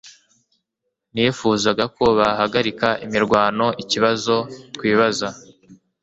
Nifuzaga ko bahagarika imirwano ikibazo twibaza